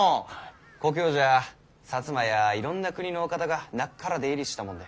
故郷じゃ摩やいろんな国のお方がなっから出入りしてたもんで。